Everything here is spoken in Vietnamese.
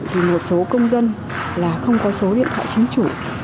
thì một số công dân là không có số điện thoại chính chủ